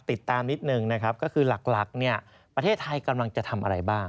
ติดตามนิดนึงนะครับก็คือหลักเนี่ยประเทศไทยกำลังจะทำอะไรบ้าง